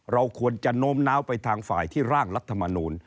เราควรจะโน้มน้าวไปทางฝ่ายที่ร่างรัฐมนูล